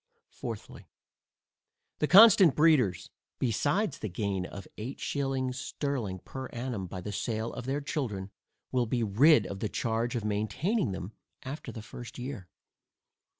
Fourthly, The constant breeders, besides the gain of eight shillings sterling per annum by the sale of their children, will be rid of the charge of maintaining them after the first year.